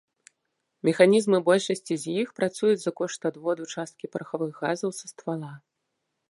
Механізмы большасці з іх працуюць за кошт адводу часткі парахавых газаў са ствала.